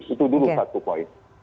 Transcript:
itu dulu satu poin